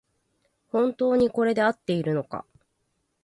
本当にこれであっているのか